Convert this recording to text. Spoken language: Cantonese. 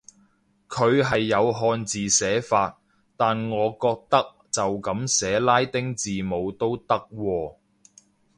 佢係有漢字寫法，但我覺得就噉寫拉丁字母都得喎